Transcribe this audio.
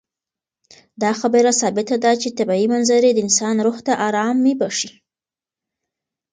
دا خبره ثابته ده چې طبیعي منظرې د انسان روح ته ارامي بښي.